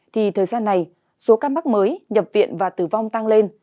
thì thời gian này số ca mắc mới nhập viện và tử vong tăng lên